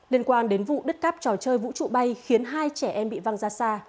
liên quan đến vụ đứt cáp trò chơi vũ trụ bay khiến hai trẻ em bị văng ra xa